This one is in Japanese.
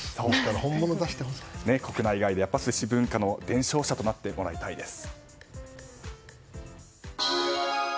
国内外で寿司文化の伝承者となってもらいたいです。